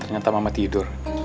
ternyata mama tidur